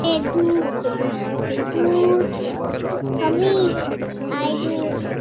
প্রত্যক্ষদর্শীদের ভাষ্য, অবরোধ চলাকালে মহাসড়কে পুলিশের সঙ্গে শ্রমিকদের পাল্টাপাল্টি ধাওয়ার ঘটনা ঘটে।